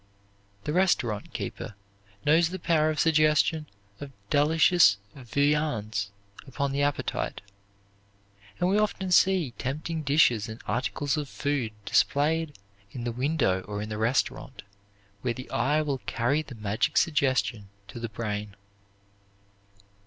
The restaurant keeper knows the power of suggestion of delicious viands upon the appetite, and we often see tempting dishes and articles of food displayed in the window or in the restaurant where the eye will carry the magic suggestion to the brain.